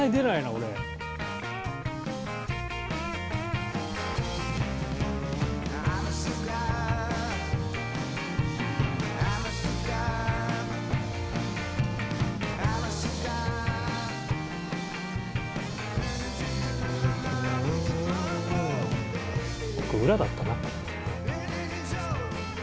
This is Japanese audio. これ裏だったな。